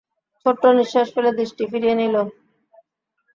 ছোট্ট নিঃশ্বাস ফেলে দৃষ্টি ফিরিয়ে নিল।